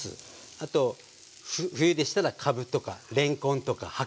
あと冬でしたらかぶとかれんこんとか白菜なんか入れて。